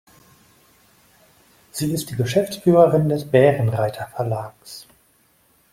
Sie ist die Geschäftsführerin des Bärenreiter-Verlags.